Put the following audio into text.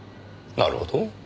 なるほど。